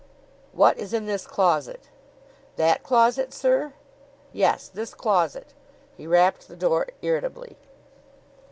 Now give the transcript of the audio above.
"What is in this closet?" "That closet, sir?" "Yes, this closet." He rapped the door irritably.